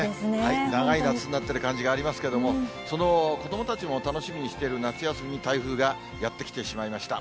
長い夏になってる感じがありますけれども、その子どもたちも楽しみにしている夏休みに台風がやって来てしまいました。